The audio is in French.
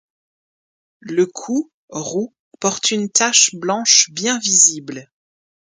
Le cou, roux, porte une tache blanche bien visible.